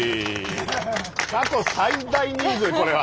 過去最大人数これは。